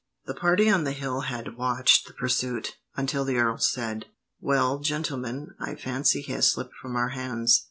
The party on the hill had watched the pursuit, until the earl said: "Well, gentlemen, I fancy he has slipped from our hands.